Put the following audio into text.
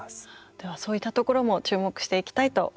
ではそういったところも注目していきたいと思います。